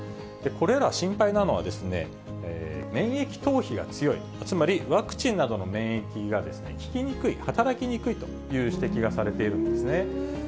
これら心配なのは、免疫逃避が強い、つまりワクチンなどの免疫が効きにくい、働きにくいという指摘がされているんですね。